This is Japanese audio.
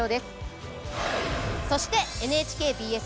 そしてＮＨＫＢＳ